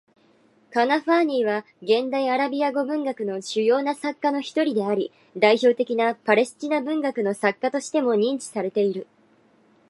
カナファーニーは、現代アラビア語文学の主要な作家の一人であり、代表的なパレスチナ文学の作家としても認知されている。